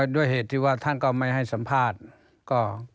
ด้วยเหตุที่ว่าท่านก็ไม่ให้สัมภาษณ์